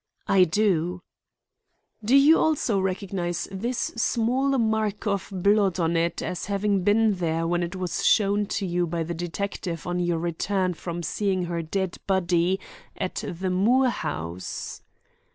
"I do." "Do you also recognize this small mark of blood on it as having been here when it was shown to you by the detective on your return from seeing her dead body at the Moore house?"